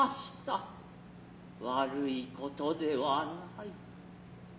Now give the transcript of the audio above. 悪い事ではない。